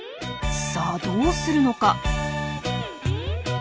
さあどうするのか？